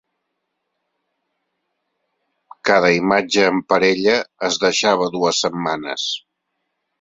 Cada imatge en parella es deixava dues setmanes.